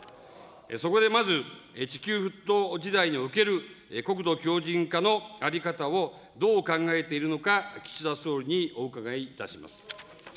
そこでまず、地球沸騰時代における国土強じん化の在り方をどう考えているのか、岸田総理にお伺いいたします。